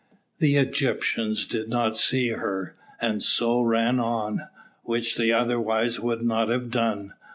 The Egyptians did not see her, and so they ran on, which they otherwise would not have done.